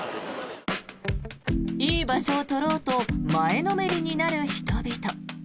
いい場所を取ろうと前のめりになる人々。